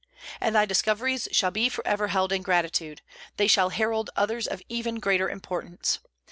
And thy discoveries shall be forever held in gratitude; they shall herald others of even greater importance.